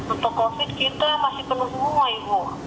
untuk covid sembilan belas kita masih penuh semua ibu